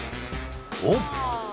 おっ？